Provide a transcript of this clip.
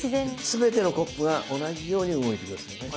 全てのコップが同じように動いて下さいね。